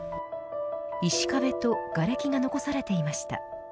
石壁とがれきが残されていました。